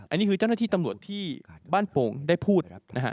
อันนี้คือเจ้าหน้าที่ตำรวจที่บ้านโป่งได้พูดนะครับ